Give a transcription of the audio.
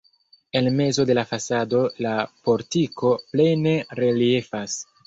En mezo de la fasado la portiko plene reliefas.